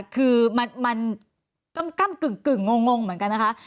คือมันกำกึ่งงงเหมือนกันนะคะ